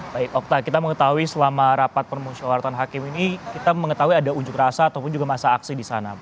baik okta kita mengetahui selama rapat permusyawaratan hakim ini kita mengetahui ada unjuk rasa ataupun juga masa aksi di sana